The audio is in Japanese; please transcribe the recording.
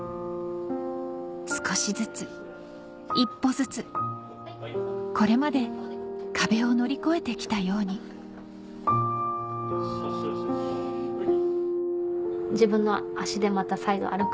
少しずつ一歩ずつこれまで壁を乗り越えて来たようにそのために。